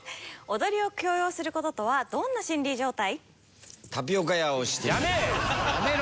踊りを強要する事はどんな心理状態？